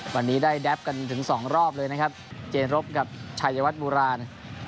วันนี้ได้แดปกันถึงสองรอบเลยนะครับเจนรบกับชายวัดโบราณ